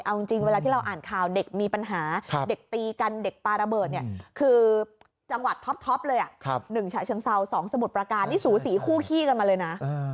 เอาจริงเวลาที่เราอ่านข่าวเด็กมีปัญหาเด็กตีกันเด็กปลาระเบิดเนี่ยคือจังหวัดท็อปเลย๑ฉะเชิงเซา๒สมุทรประการนี่สูสีคู่ขี้กันมาเลยนะ